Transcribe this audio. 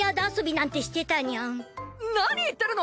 なに言ってるの！？